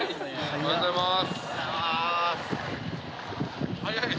おはようございます！